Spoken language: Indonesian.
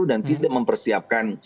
dan tidak mempersiapkan